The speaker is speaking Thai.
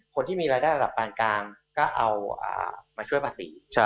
คนที่มีรายได้ระดับปานกลางก็เอามาช่วยภาษี